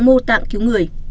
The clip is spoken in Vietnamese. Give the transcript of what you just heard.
mô tạng cứu người